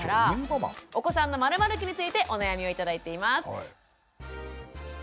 お子さんの○○期についてお悩みを頂いています。